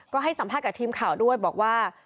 ก็ให้สัมภาษณ์กับทีมข่าวด้วยบอกว่า